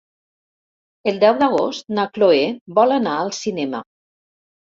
El deu d'agost na Cloè vol anar al cinema.